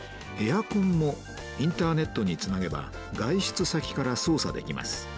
エアコンもインターネットにつなげば外出先から操作できます。